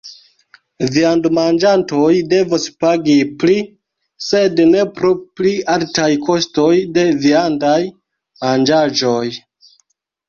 Viandomanĝantoj devos pagi pli, sed ne pro pli altaj kostoj de viandaj manĝaĵoj.